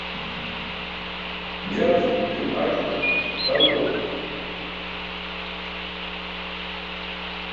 Jaa cum ke uyum ac̣o dal bo.